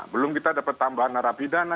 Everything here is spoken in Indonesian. belum kita dapat tambahan narapi dana